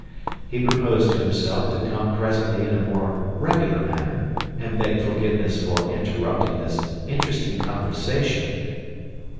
He proposed to himself to come presently in a more regular manner and beg forgiveness for interrupting this interesting conversation....